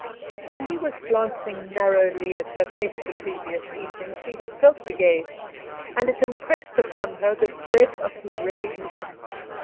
When he was glancing narrowly at her face the previous evening she had felt the gaze, and it impressed upon her the dread of his recognition.